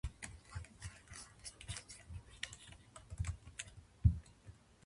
村の鐘が鳴り響くと、ごんは驚いて身を潜め、兵十が外へ飛び出していくのを遠くから見守りました。